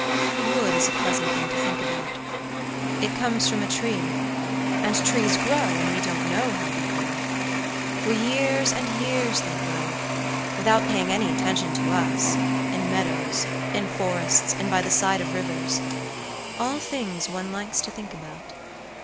… Wood is a pleasant thing to think about. It comes from a tree; and trees grow, and we don't know how they grow. For years and years they grow, without paying any attention to us, in meadows, in forests, and by the side of rivers—all things one likes to think about.